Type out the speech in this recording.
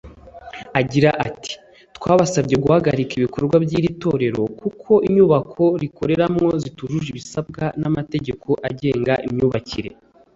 Agira ati “Twabasabye guhagarika ibikorwa by’iri torero kuko inyubako rikoreramo zitujuje ibisabwa n’amategeko agenga imyubakire